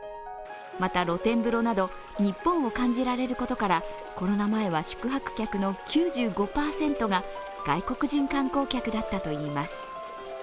また、露天風呂など日本を感じられることからコロナ前は宿泊客の９５％が外国人観光客だったといいます。